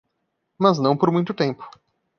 Mas não por muito tempo.